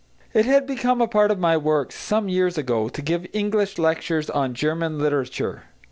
It had become a part of my work, some years ago, to give English lectures on German literature.